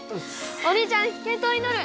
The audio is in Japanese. お兄ちゃん健闘を祈る！